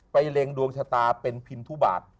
เล็งดวงชะตาเป็นพินทุบาท